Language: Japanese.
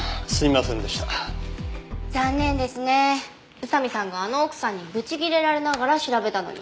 宇佐見さんがあの奥さんにブチ切れられながら調べたのに。